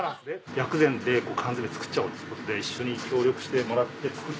薬膳で缶詰作っちゃおうっつうことで一緒に協力してもらって作ったのがこちら。